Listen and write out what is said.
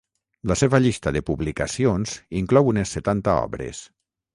La seva llista de publicacions inclou unes setanta obres.